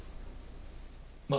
まあ